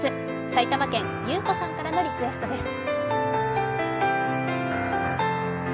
埼玉県・ゆうこさんからのリクエストです。